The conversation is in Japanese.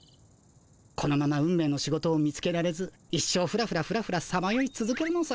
このまま運命の仕事を見つけられず一生フラフラフラフラさまよいつづけるのさ。